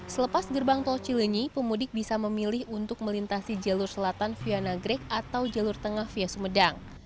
selepas gerbang tol cilenyi pemudik bisa memilih untuk melintasi jalur selatan via nagrek atau jalur tengah via sumedang